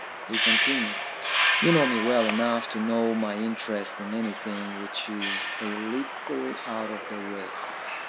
He continued: "You know me well enough to know my interest in anything which is a little out of the way.